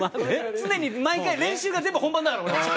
常に毎回練習が全部本番だから俺は。